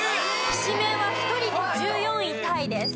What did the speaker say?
きしめんは１人で１４位タイです。